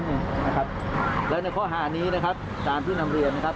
นะครับและในข้อหานี้นะครับตามที่นำเรียนนะครับ